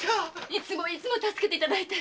いつもいつも助けていただいて！